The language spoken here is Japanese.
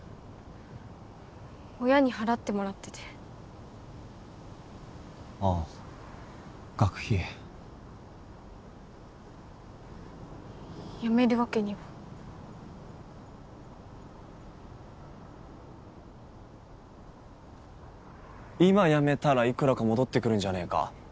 親に払ってもらっててああ学費やめるわけには今やめたらいくらか戻ってくるんじゃねえか？